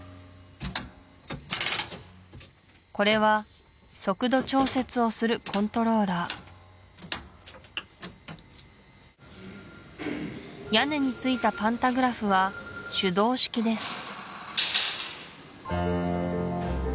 これは速度調節をするコントローラー屋根についたパンタグラフは手動式です